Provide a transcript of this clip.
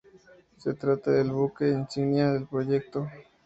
Se trata del buque insignia del proyecto.